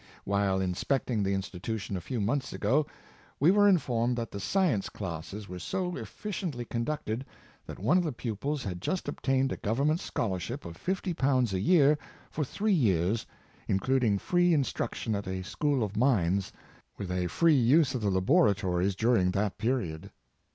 While in specting the institution a few months ago, we were in formed that the science classes were so efficiently con ducted that one of the pupils had just obtained a Gov ernment scholarship of fifty pounds a year, for three years, including free instruction at a School of Mines, 432 Co operaizon — Secret of its Success. with a free use of the laboratories during that period.